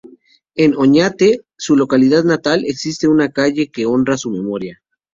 En Oñate, su localidad natal, existe una calle que honra su memoria.